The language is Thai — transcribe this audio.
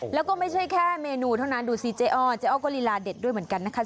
แล้วก็ไม่ใช่แค่เมนูเท่านั้นดูสิเจ๊อ้อเจ๊อ้อก็ลีลาเด็ดด้วยเหมือนกันนะคะ